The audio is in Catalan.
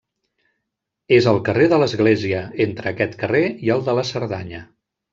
És al carrer de l'Església, entre aquest carrer i el de la Cerdanya.